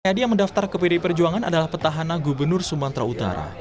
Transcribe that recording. edi yang mendaftar ke pdi perjuangan adalah petahana gubernur sumatera utara